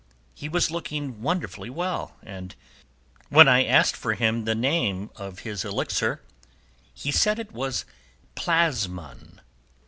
He was looking wonderfully well, and when I wanted the name of his elixir, he said it was plasmon.